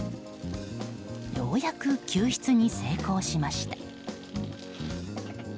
ようやく、救出に成功しました。